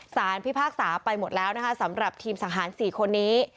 พิพากษาไปหมดแล้วนะคะสำหรับทีมสังหาร๔คนนี้